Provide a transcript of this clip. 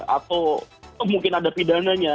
atau mungkin ada pidananya